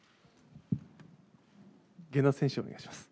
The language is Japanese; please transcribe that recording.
源田選手、お願いします。